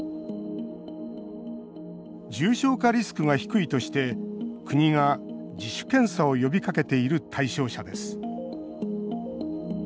重症化リスクが低いとして国が自主検査を呼びかけている対象者です。